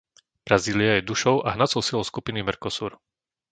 Brazília je dušou a hnacou silou skupiny Mercosur.